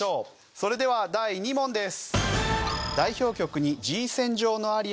それでは第２問です。